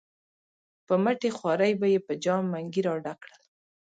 په مټې خوارۍ به یې په جام منګي را ډک کړل.